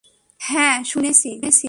হ্যাঁ - শুনেছি।